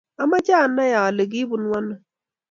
amoche anai ale kibunuu ano.